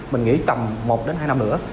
mình nghĩ tầm một hai năm nữa